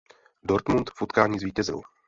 Dortmund v utkání zvítězil..